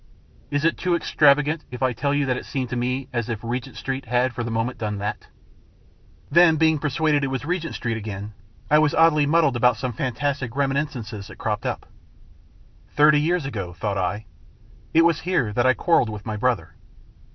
Is it too extravagant if I tell you that it seemed to me as if Regent Street had, for the moment, done that? Then, being persuaded it was Regent Street again, I was oddly muddled about some fantastic reminiscences that cropped up. ". Thirty years ago," thought I, "it was here that I quarrelled with my brother."